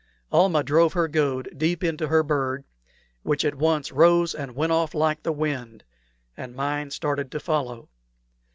Almah drove her goad deep into her bird, which at once rose and went off like the wind, and mine started to follow.